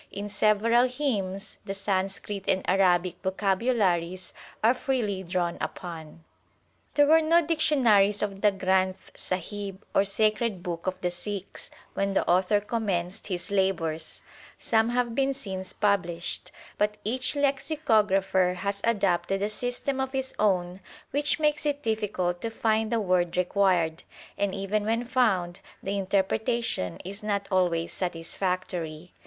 In several hymns the Sanskrit and Arabic vocabularies are freely drawn upon. vi THE SIKH RELIGION There were no dictionaries of the Granth Sahib, 1 or sacred book of the Sikhs, when the author commenced his labours. Some have been since published, but each lexicographer has adopted a system of his own which makes it difficult to find the word required, and even when found the interpretation is not always satisfactory.